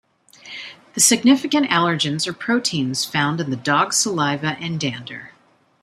The significant allergens are proteins found in the dog's saliva and dander.